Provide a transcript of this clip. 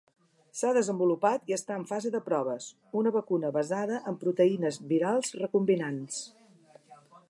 S'ha desenvolupat, i està en fase de proves, una vacuna basada en proteïnes virals recombinants.